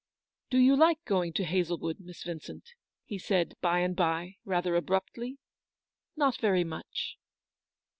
" Do you like going to Hazlewood, Miss Yin cent ?" he said, by and by, rather abruptly. " Not very much."